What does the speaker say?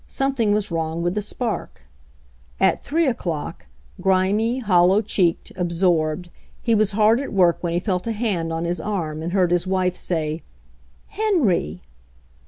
Something was wrong with the spark. At 3 o'clock, grimy, hollow cheeked, absorbed, he was hard at work when he felt a hand on his arm and heard his wife say, "Henry!"